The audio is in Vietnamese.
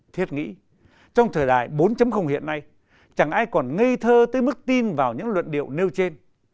thiết nghĩ trong thời đại bốn hiện nay chẳng ai còn ngây thơ tới mức tin vào những luận điệu nêu trên